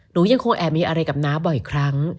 หนูยังคงแอบมีอะไรกับน้าบ่อยครั้ง